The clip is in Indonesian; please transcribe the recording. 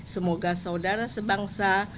semoga saudara sebangsa